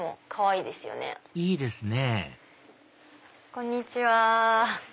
いいですねこんにちは。